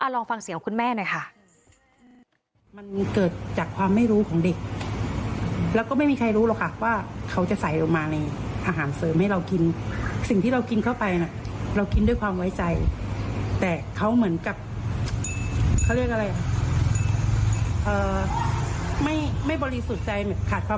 ลองฟังเสียงคุณแม่หน่อยค่ะ